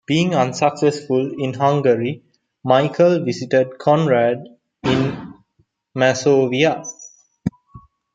Being unsuccessful in Hungary, Michael visited Konrad I in Masovia.